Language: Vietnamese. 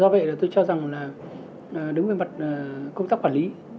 do vậy là tôi cho rằng là đứng về mặt công tác quản lý